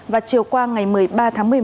và chiều qua ngày một mươi ba tháng một mươi một